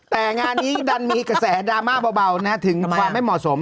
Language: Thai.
แต่งานนี้ดันมีกระแสดราม่าเบาถึงความไม่เหมาะสม